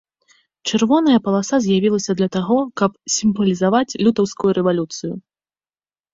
Чырвоная паласа з'явілася для таго, каб сімвалізаваць лютаўскую рэвалюцыю.